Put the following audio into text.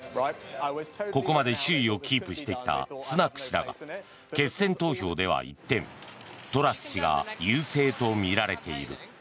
ここまで首位をキープしてきたスナク氏だが決選投票では一転トラス氏が優勢とみられている。